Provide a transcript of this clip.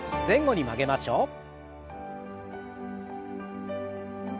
前後に曲げましょう。